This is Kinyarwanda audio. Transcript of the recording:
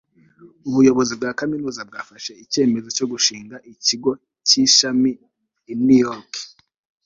ubuyobozi bwa kaminuza bwafashe icyemezo cyo gushinga ikigo cy'ishami i new york